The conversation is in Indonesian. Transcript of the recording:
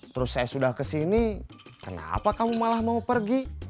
terus saya sudah kesini kenapa kamu malah mau pergi